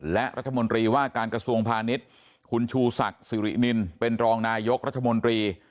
และรัฐมนตรีว่าการกระทรวงพาณิชย์คุณชูศักดิ์สิรินินเป็นรองนายกรัฐมนตรี